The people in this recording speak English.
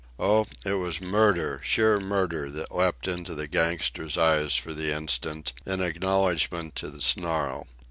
Oh, it was murder, sheer murder, that leapt into the gangster's eyes for the instant, in acknowledgment of the snarl.